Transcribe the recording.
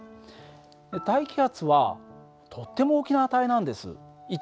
大気圧はとっても大きな値なんです。